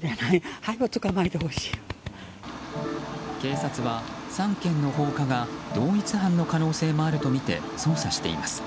警察は、３件の放火が同一犯の可能性もあるとみて捜査しています。